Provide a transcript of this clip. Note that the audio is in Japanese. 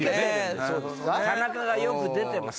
田中がよく出てます。